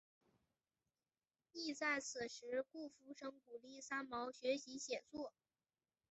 亦在此时顾福生鼓励三毛学习写作。